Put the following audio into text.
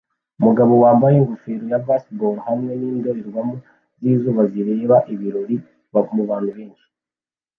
Umugabo wambaye ingofero ya baseball hamwe nindorerwamo zizuba zireba ibirori mubantu benshi